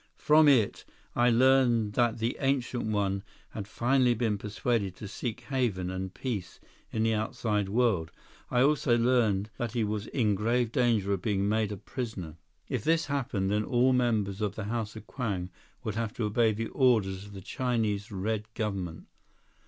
From it, I learned that the Ancient One had finally been persuaded to seek haven and peace in the outside world. I also learned that he was in grave danger of being made a prisoner. If this happened, then all members of the House of Kwang would have to obey the orders of the Chinese Red government.